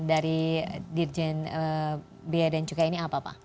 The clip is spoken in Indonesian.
dari dirjen biaya dan cukai ini apa pak